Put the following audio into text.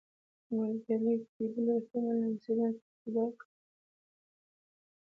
ملګري کېدلو احتمال لمسډن په عقیده کړ.